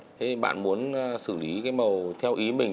thế thì bạn muốn xử lý cái màu theo ý mình